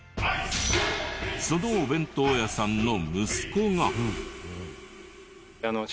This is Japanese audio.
そのお弁当屋さんの息子が。